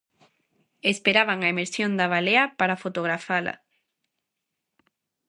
Esperaban a emersión da balea para fotografala.